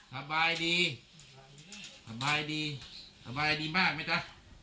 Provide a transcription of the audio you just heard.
สบายดีมากไหมจ๊ะ